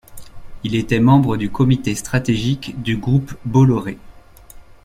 Il était membre du comité stratégique du groupe Bolloré.